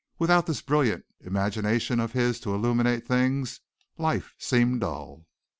Without this brilliant imagination of his to illuminate things, life seemed dull.